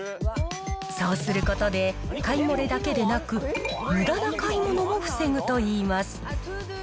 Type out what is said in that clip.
そうすることで、買い漏れだけでなく、むだな買い物も防ぐといいます。